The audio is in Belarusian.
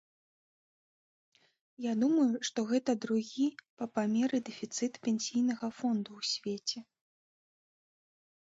Я думаю, што гэта другі па памеры дэфіцыт пенсійнага фонду ў свеце.